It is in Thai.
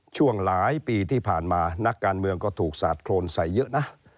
ช่วงหลายปีที่ผ่านมานักการเมืองก็ถูกสาดโครนใส่เยอะนะ